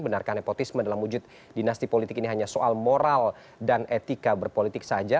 benarkah nepotisme dalam wujud dinasti politik ini hanya soal moral dan etika berpolitik saja